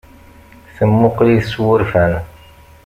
Temmuqqel-it s wurfan.